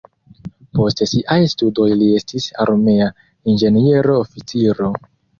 Post siaj studoj li estis armea inĝeniero-oficiro.